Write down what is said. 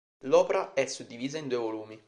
L'opra è suddivisa in due volumi.